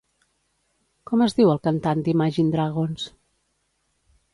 Com es diu el cantant d'Imagine Dragons?